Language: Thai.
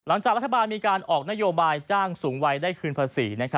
หลังจากรัฐบาลมีการออกนโยบายจ้างสูงวัยได้คืนภาษี